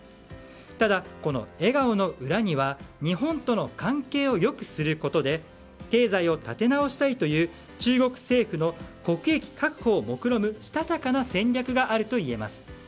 ただ、この笑顔の裏には日本との関係を良くすることで経済を立て直したいという中国政府の国益確保をもくろむしたたかな戦略があるといえます。